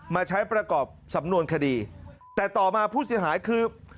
มาใช้ประกอบสำนวนคดีแต่ต่อมาผู้เสียหายคือ